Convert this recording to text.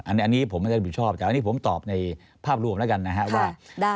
อันนี้ผมไม่ได้รับผิดชอบแต่อันนี้ผมตอบในภาพรวมแล้วกันนะครับว่า